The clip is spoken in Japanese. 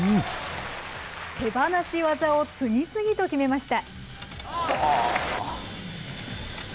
手放し技を次々と決めました。